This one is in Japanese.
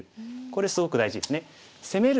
これすごく大事ですね。